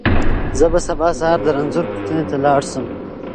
زه به سبا سهار د رنځور پوښتنې ته لاړ شم.